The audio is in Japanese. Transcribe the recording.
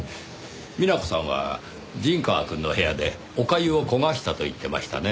美奈子さんは陣川くんの部屋でお粥を焦がしたと言ってましたね？